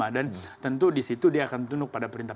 dan tentu di situ dia akan tunduk pada perintah